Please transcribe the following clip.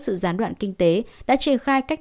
sự gián đoạn kinh tế đã triển khai cách